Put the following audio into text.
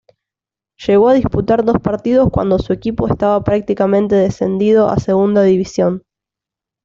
Llegó a disputar dos partidos cuando su equipo estaba prácticamente descendido a Segunda División.